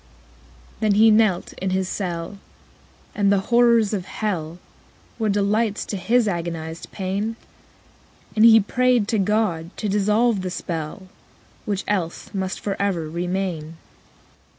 7. Then he knelt in his cell: And the horrors of hell Were delights to his agonized pain, And he prayed to God to dissolve the spell, _40 Which else must for ever remain.